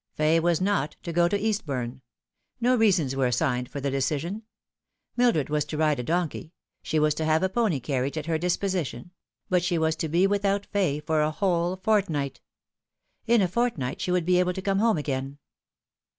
Fay was not to go to Eastbourne. No reasons were assigned for the decision. Mildred was to ride a donkey ; she was to have a pony carriage at her disposition ; but she was to be without Fay for a whole fortnight. In a fortnight she would be able to come home again.